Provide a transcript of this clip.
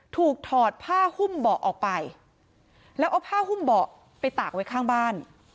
ถอดผ้าหุ้มเบาะออกไปแล้วเอาผ้าหุ้มเบาะไปตากไว้ข้างบ้าน